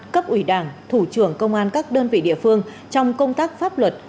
cấp ủy đảng thủ trưởng công an các đơn vị địa phương trong công tác pháp luật